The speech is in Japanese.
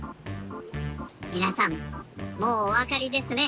みなさんもうおわかりですね。